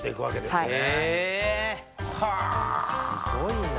すごいな。